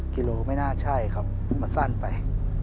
กิโลไม่น่าใช่ครับมันสั้นไป